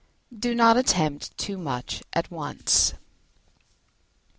Do not attempt too much at once.